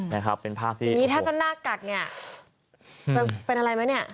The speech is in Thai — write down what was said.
อย่างนี้ถ้าจะหน้ากัดเนี่ยจะเป็นอะไรมั้ยเนี่ย